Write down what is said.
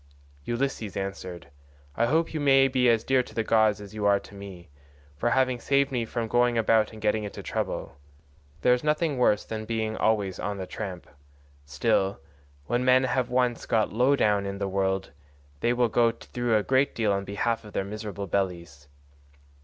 Ulysses answered, "I hope you may be as dear to the gods as you are to me, for having saved me from going about and getting into trouble; there is nothing worse than being always on the tramp; still, when men have once got low down in the world they will go through a great deal on behalf of their miserable bellies.